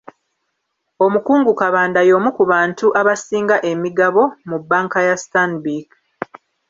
Omukungu Kabanda y’omu ku bantu abasinga emigabo mu bbanka ya Stanbic.